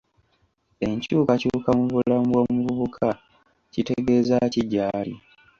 Enkyukakyuka mu bulamu bw'omuvubuka kitegeza ki gy'ali?